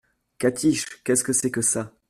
Catiche ! qu’est-ce que c’est que ça ?